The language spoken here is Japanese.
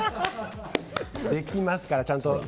できますから。